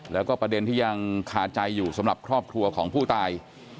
แล้วก็ประเด็นที่ยังคาใจอยู่สำหรับครอบครัวของผู้ตาย